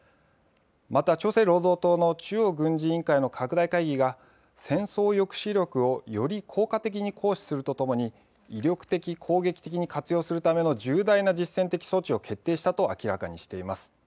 また朝鮮労働党の中央軍事委員会の拡大会議が戦争抑止力をより効果的に行使するとともに威力的、攻撃に活用するための重大な実践的措置を決定したと明らかにしています。